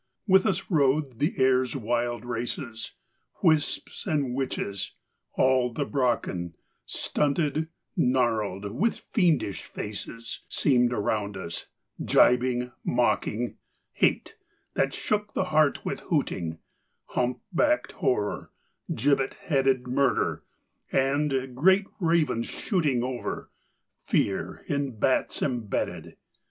With us rode the air's wild races: Wisps and witches; all the Brocken, Stunted, gnarled, with fiendish faces, Seemed around us, gibing, mocking: Hate, that shook the heart with hooting: Humpbacked Horror; gibbet headed Murder: and, great ravens shooting Over, Fear, in bats embedded.